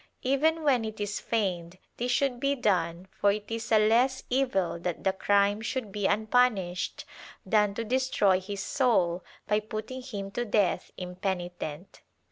Even when it is feigned this should be done, for it is a less evil that the crime should be unpunished than to destroy his soul by putting him to death impenitent.